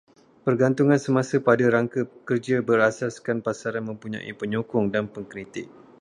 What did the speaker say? Pergantungan semasa pada rangka kerja berasaskan pasaran mempunyai penyokong dan pengkritik